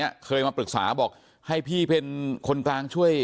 เพราะไม่เคยถามลูกสาวนะว่าไปทำธุรกิจแบบไหนอะไรยังไง